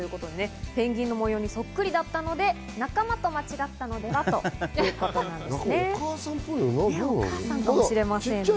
ペンギンの模様にそっくりだったので、仲間と間違ったのでは？ということなんです。